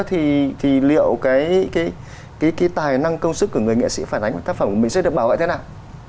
thì liệu cái tài năng công sức của người nghệ sĩ phản ánh của tác phẩm của mình sẽ được bảo vệ thế nào